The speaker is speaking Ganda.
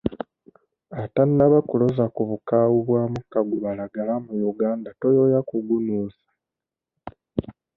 Atannaba kuloza ku bukaawu bwa mukka gubalagala mu Uganda toyoya kugunuusa.